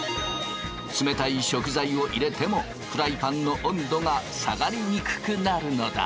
冷たい食材を入れてもフライパンの温度が下がりにくくなるのだ。